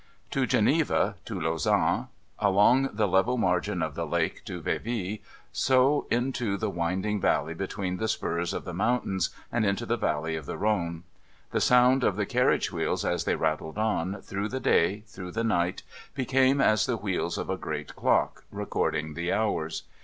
To Geneva, to Lausanne, along the level margin of the lake to Vevey, so into the winding valley between the spurs of the moun tains, and into the valley of the Rhone. The sound of the carriage wheels, as they rattled on, through the day, through the night, became as the wheels of a great clock, recording the hours.